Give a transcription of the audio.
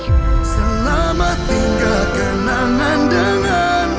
aku ingin menerima kesalahanmu